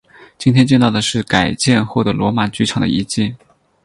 今天见到的是改建后的罗马剧场的遗迹。